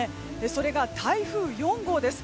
それが台風４号です。